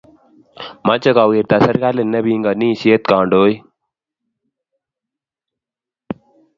Mache kowirta serkali ne pinganishet kandoik